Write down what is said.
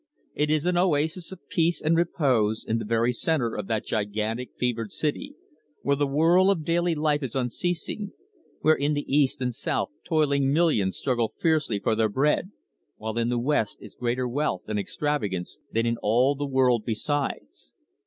It is an oasis of peace and repose in the very centre of that gigantic fevered city, where the whirl of daily life is unceasing, where in the east and south toiling millions struggle fiercely for their bread, while in the west is greater wealth and extravagance than in all the world besides.